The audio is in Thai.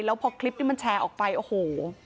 แล้วพอคลิปนี้มันแชร์ออกไปโอ้โห